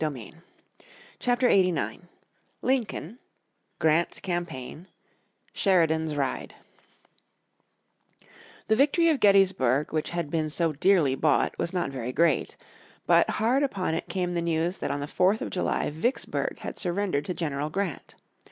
__________ Chapter 89 Lincoln Grant's Campaign Sheridan's Ride The victory of Gettysburg which had been so dearly bought was not very great. But hard upon it came the news that on the 4th of July Vicksburg had surrendered to General Grant.